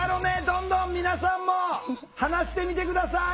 どんどん皆さんも話してみて下さい！